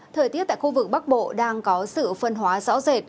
thời tiết tại khu vực bắc bộ đang có sự phân hóa rõ rệt